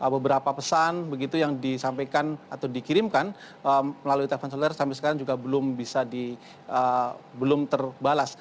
beberapa pesan yang disampaikan atau dikirimkan melalui telepon selera sampai sekarang juga belum terbalas